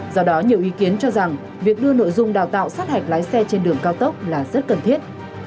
do đó nhiều ý kiến cho rằng việc đưa nội dung đào tạo sát hạch lái xe trên đường cao tốc là rất cần thiết